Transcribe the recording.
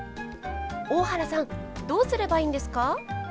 大原さんどうすればいいんですか？